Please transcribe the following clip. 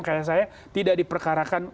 kayak saya tidak diperkarakan